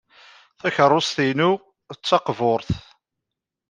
Takeṛṛust-inu d taqburt.